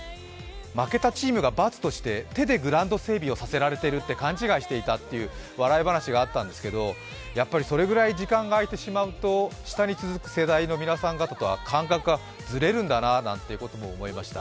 負けたチームが罰として手でグラウンド整備をさせられていると勘違いしていたと笑い話があったんですけれども、それぐらい時間が空いてしまうと下に続く世代の皆さんと感覚がずれるんだなと思いました。